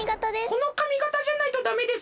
このかみがたじゃないとダメですか？